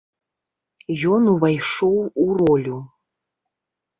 Ён увайшоў у ролю.